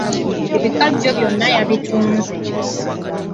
Ebikajjo bye byonna yabitunze.